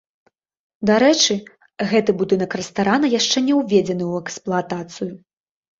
Дарэчы, гэты будынак рэстарана яшчэ не ўведзены ў эксплуатацыю.